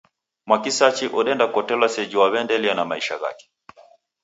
Mwakisachi odenda kotelwa seji wawendelea na maisha ghake